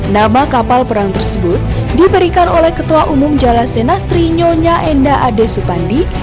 nama kapal perang tersebut diberikan oleh ketua umum jalas senastri nyonya enda ad supandi